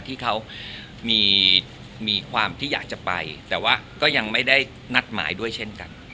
ที่เขามีความที่อยากจะไปแต่ว่าก็ยังไม่ได้นัดหมายด้วยเช่นกัน